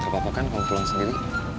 bapak kan mau pulang sendiri